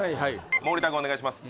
森田君お願いします